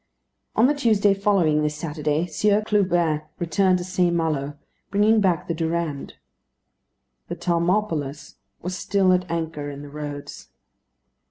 On the Tuesday following this Saturday, Sieur Clubin returned to St. Malo, bringing back the Durande. The Tamaulipas was still at anchor in the roads.